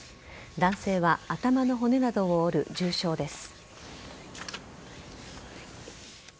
男性は頭の骨などを折る重傷です。